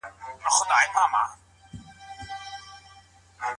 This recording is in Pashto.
انسان د غم او خوښي پر وخت له سنجش څخه کار نه اخلي.